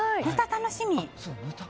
楽しみ。